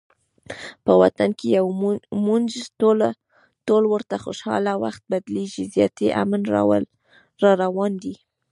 په وطن کې یو مونږ ټول ورته خوشحاله، وخت بدلیږي زیاتي امن راروان دی